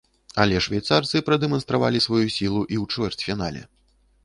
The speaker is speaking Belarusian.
Але швейцарцы прадэманстравалі сваю сілу і ў чвэрцьфінале.